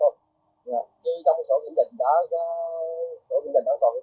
như trong sổ kiểm định đã sổ kiểm định đã còn kỹ thuật